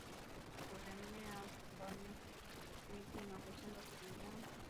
Kulemaa kwa miguu au kushindwa kutembea